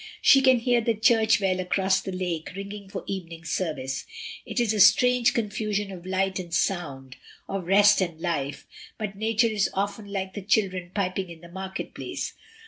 She can hear the church bell across the lake ringing for evening service; it is a strange confusion of light and sound, of rest and life. But nature is often like the children piping in the market place.